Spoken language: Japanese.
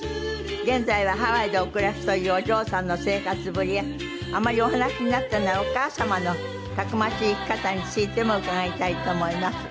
現在はハワイでお暮らしというお嬢さんの生活ぶりやあまりお話しになっていないお母様のたくましい生き方についても伺いたいと思います。